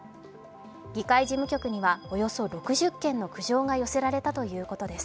議会事務局にはおよそ６０件の苦情が寄せられたということです。